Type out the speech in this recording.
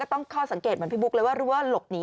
ต้องข้อสังเกตเหมือนพี่บุ๊คเลยว่ารู้ว่าหลบหนี